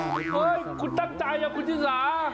เฮ้ยคุณตั้งใจคุณชิสา